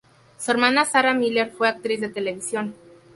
Su hermana Sarah Miller fue actriz de televisión.